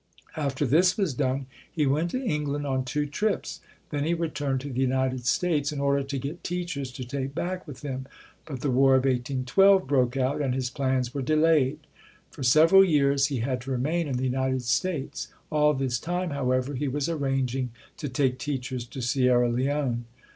After this was done, he went to England on two trips. Then he returned to the United States in order to get teachers to take back with him, but the War of 1812 broke out, and his plans were delayed. For several years he had to remain in the United States. All this time, however, he was arranging to take teachers to Sierra Leone.